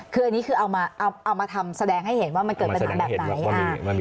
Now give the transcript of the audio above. คืออันนี้คือเอามาทำแสดงให้เห็นว่ามันเกิดปัญหาแบบไหน